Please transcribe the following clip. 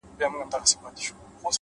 بریا د تکراري سمو کارونو پایله ده؛